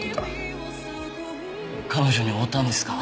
彼女に会うたんですか？